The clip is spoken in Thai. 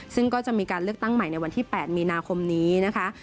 ซึ่งก็จะมีการเลือกตั้งใหม่ในวันที่๘มีนาคมนี้นะคะ